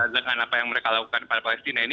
dengan apa yang mereka lakukan pada palestina ini